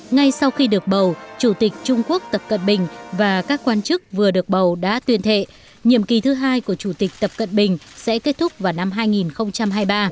ngay sau khi được bầu chủ tịch trung quốc tập cận bình và các quan chức vừa được bầu đã tuyên thệ nhiệm kỳ thứ hai của chủ tịch tập cận bình sẽ kết thúc vào năm hai nghìn hai mươi ba